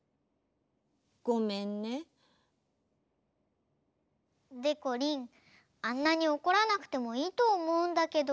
ごめんね。でこりんあんなにおこらなくてもいいとおもうんだけど。